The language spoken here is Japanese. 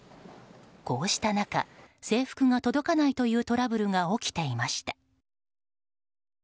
こうした中、制服が届かないというトラブルが起きていました。